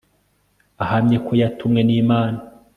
ahamye ko yatumwe n'imana